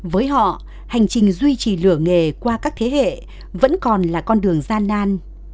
với họ hành trình duy trì lửa nghề qua các thế hệ vẫn còn là con đường gian nan